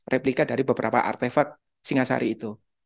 replika dari beberapa artefact singhasari itu